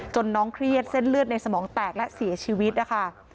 น้องเครียดเส้นเลือดในสมองแตกและเสียชีวิตนะคะ